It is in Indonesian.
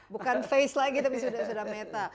bukan face lagi tapi sudah meta